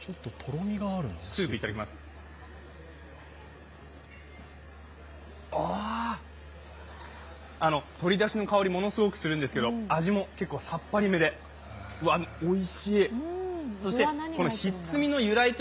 あ鶏だしの香り、ものすごくするんですけど味も結構さっぱり目でおいしい。